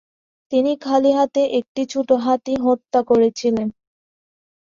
তিনি খালি হাতে একটি ছোট হাতি হত্যা করেছিলেন।